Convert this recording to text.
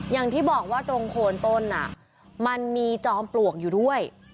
อย่างที่บอกว่าตรงโคนต้นมันมีจอมปลวกอยู่ด้วย